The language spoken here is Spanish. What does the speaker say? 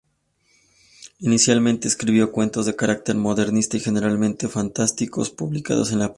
Inicialmente, escribió cuentos de carácter modernista y generalmente fantásticos, publicados en la prensa.